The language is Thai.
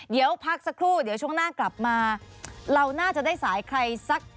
เดี๋ยวพักสักครู่เดี๋ยวช่วงหน้ากลับมาเราน่าจะได้สายใครสัก